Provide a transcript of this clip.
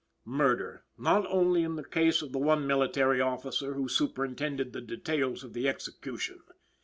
Murder, not only in the case of the one military officer who superintended the details of the execution.